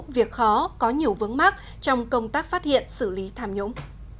việc khó có nhiều vướng mắt trong công tác phát hiện xử lý tham nhũng